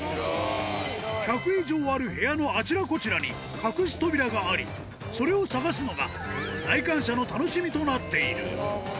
１００以上ある部屋のあちらこちらに、隠し扉があり、それを探すのが、来館者の楽しみとなっている。